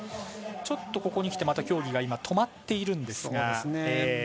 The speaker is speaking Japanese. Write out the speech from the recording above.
ちょっと、ここにきて競技が止まっているんですが。